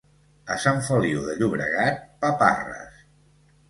A Sant Feliu de Llobregat, paparres.